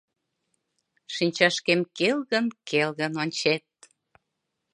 Шинчашкем келгын-келгын ончет.